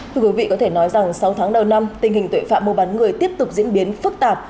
thưa quý vị có thể nói rằng sáu tháng đầu năm tình hình tội phạm mua bán người tiếp tục diễn biến phức tạp